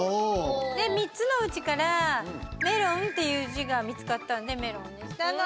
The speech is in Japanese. ３つのうちから「めろん」という字が見つかったのでメロンにしたの。